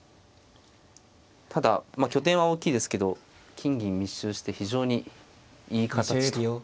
ただ拠点は大きいですけど金銀密集して非常にいい形と。